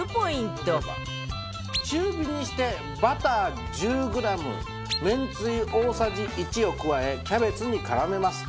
中火にしてバター１０グラムめんつゆ大さじ１を加えキャベツに絡めます。